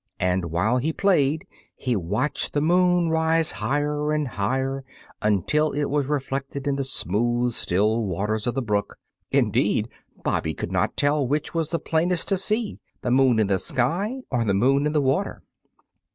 And while he played he watched the moon rise higher and higher until it was reflected in the smooth, still water of the brook. Indeed, Bobby could not tell which was the plainest to see, the moon in the sky or the moon in the water.